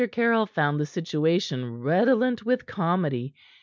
Caryll found the situation redolent with comedy.